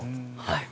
はい。